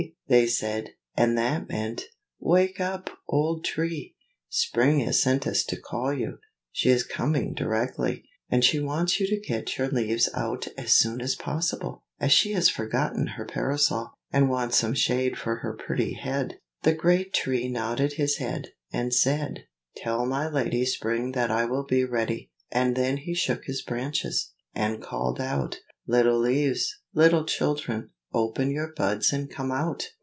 they said; and that meant "Wake up, old Tree! Spring has sent us to call you. She is coming directly, and she wants you to get your leaves out as soon as possible, as she has forgotten her parasol, and wants some shade for her pretty head." [Illustration: MARIE.] The great Tree nodded his head, and said, "Tell my lady Spring that I will be ready." And then he shook his branches, and called out, "Little leaves, little children, open your buds and come out!